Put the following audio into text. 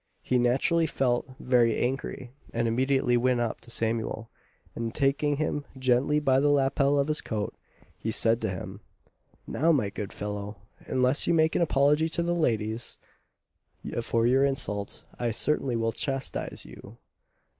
He naturally felt very angry, and immediately went up to Samuel, and taking him gently by the lappel of his coat, he said to him, "Now my good fellow, unless you make an apology to the ladies, for your insult, I certainly will chastise you."